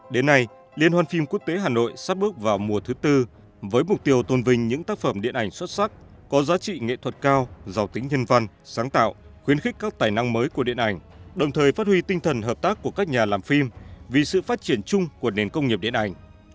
đến nay liên hoan phim quốc tế hà nội sắp bước vào mùa thứ tư với mục tiêu tôn vinh những tác phẩm điện ảnh xuất sắc có giá trị nghệ thuật cao giàu tính nhân văn sáng tạo khuyến khích các tài năng mới của điện ảnh đồng thời phát huy tinh thần hợp tác của các nhà làm phim vì sự phát triển chung của nền công nghiệp điện ảnh